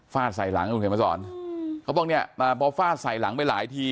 ฟาดใส่หลังเขาบอกเนี่ยพอฟาดใส่หลังไปหลายที